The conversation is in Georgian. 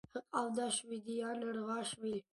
ჰყავდა შვიდი ან რვა შვილი.